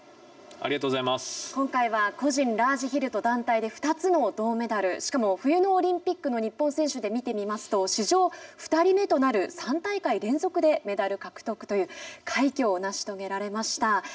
今回は個人ラージヒルと団体で２つの銅メダル。しかも冬のオリンピックの日本選手で見てみますと史上２人目となる３大会連続でメダル獲得という快挙を成し遂げられました。